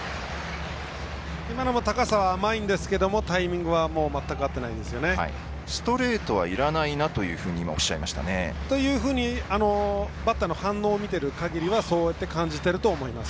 今のも高さが甘いんですけれども、タイミングがストレートはいらないなとおっしゃいましたね。というようにバッターの反応を見ていると感じているように思います。